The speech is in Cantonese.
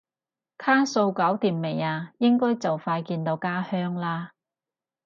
卡數搞掂未啊？應該就快見到家鄉啦？